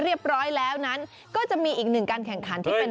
มีหลากหลายการแข่งขันคุณผู้ชมอย่างที่บอกอันนี้ปาเป้าเห็นมั้ยก็มีแต้ม